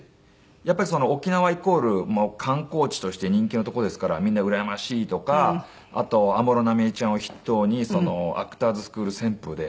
やっぱり沖縄イコール観光地として人気の所ですからみんなうらやましいとかあと安室奈美恵ちゃんを筆頭にアクターズスクール旋風で。